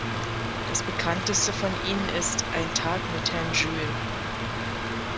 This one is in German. Das bekannteste von ihnen ist "Ein Tag mit Herrn Jules".